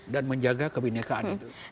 dan menjaga kebenekaan itu